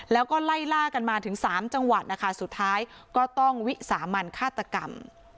แล้วก็ไล่ล่ากันมาถึงสามจังหวัดนะคะสุดท้ายก็ต้องวิสามันฆาตกรรม